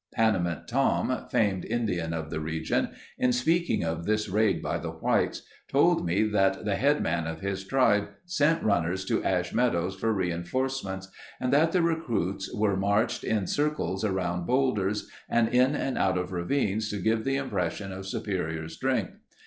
(Panamint Tom, famed Indian of the region, in speaking of this raid by the whites, told me that the head man of his tribe sent runners to Ash Meadows for reinforcements and that the recruits were marched in circles around boulders and in and out of ravines to give the impression of superior strength.